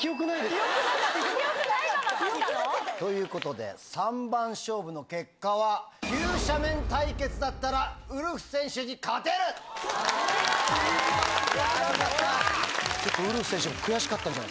記憶ないのに勝ったの？ということで、三番勝負の結果は、急斜面対決だったらウルフ選手に勝てる。よかった。